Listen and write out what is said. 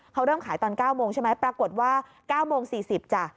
เขาเริ่มขายตอน๙โมงใช่ไหมปรากฏว่า๙โมง๔๐จ้ะ